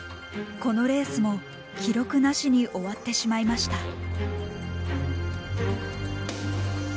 このレースも記録なしに終わってしまいました。